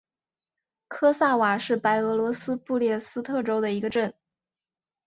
科萨瓦是白俄罗斯布列斯特州的一个镇。